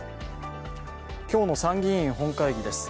今日の参議院本会議です。